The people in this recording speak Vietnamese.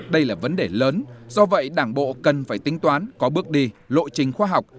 đây là vấn đề lớn do vậy đảng bộ cần phải tính toán có bước đi lộ trình khoa học